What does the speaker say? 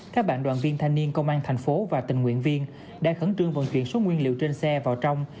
các bạn đoàn viên thanh niên công an tp hcm và tình nguyện viên đã khẩn trương vận chuyển số nguyên liệu trên xe vào trong